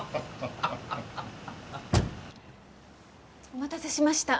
お待たせしました。